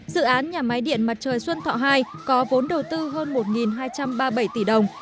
dự án nhà máy điện mặt trời xuân thọ hai có vốn đầu tư hơn một hai trăm ba mươi bảy tỷ đồng